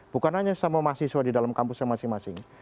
bukan hanya sama mahasiswa di dalam kampusnya masing masing